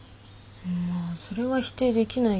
まあそれは否定できないけど。